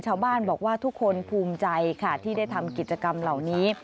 ชาวบ้านบอกว่าทุกคนภูมิใจค่ะที่ได้ทำกิจกรรมเหล่านี้